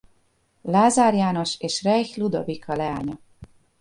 Lázár János és Reich Ludovika leánya.